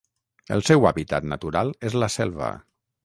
El seu hàbitat natural és la selva.